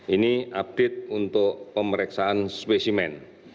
ini update untuk pemeriksaan spesimen